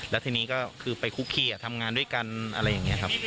แล้วทีนี้ก็คือไปคุกขี้ทำงานด้วยกันอะไรอย่างนี้ครับ